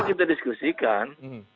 apa yang kita diskusikan